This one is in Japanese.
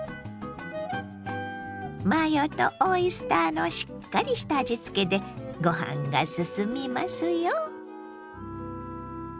マヨとオイスターのしっかりした味付けでご飯がすすみますよ。